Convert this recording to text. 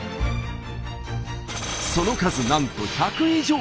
その数なんと１００以上。